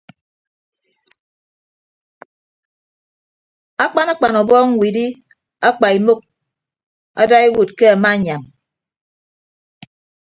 Akpan akpan ọbọọñ widdie apaimuk adaiwuod ke amaanyam.